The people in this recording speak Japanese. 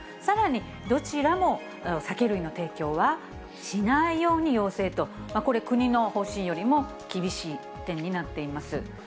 さらに、どちらも酒類の提供はしないように要請と、これ、国の方針よりも厳しい点になっています。